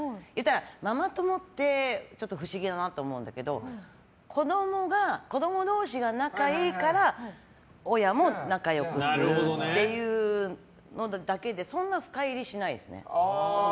ママ友って、ちょっと不思議だなと思うんだけど子供同士が仲いいから親も仲良くするっていうだけでそんなに深入りしないですね。